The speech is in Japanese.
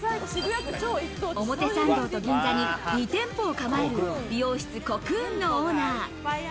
表参道と銀座に２店舗を構える美容室コクーンのオーナー。